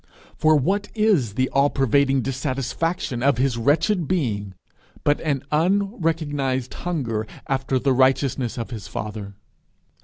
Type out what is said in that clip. For what is the all pervading dissatisfaction of his wretched being but an unrecognized hunger after the righteousness of his father.